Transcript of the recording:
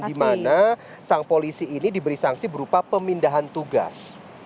dimana sang polisi ini diberi sanksi berupa pemindahan tugas